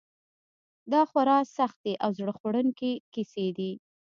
دا خورا سختې او زړه خوړونکې کیسې دي.